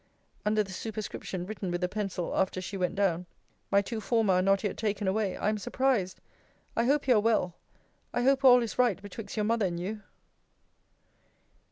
Under the superscription, written with a pencil, after she went down. 'My two former are not yet taken away I am surprised I hope you are well I hope all is right betwixt your mother and you.'